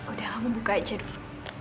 udah kamu buka aja deh